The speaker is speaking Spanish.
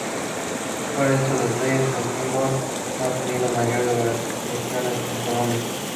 Fuera de estos detalles, el Symbol no ha tenido mayores variaciones en Colombia.